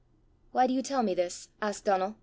"Why do you tell me this?" asked Donal.